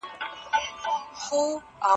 سپما کول ستا د سوداګرۍ ملا تیر پیاوړی کوي.